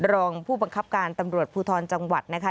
รองผู้บังคับการตำรวจภูทรจังหวัดนะคะ